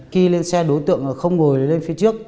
khi lên xe đối tượng không ngồi lên phía trước